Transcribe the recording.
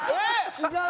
違う？